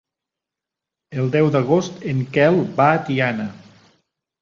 El deu d'agost en Quel va a Tiana.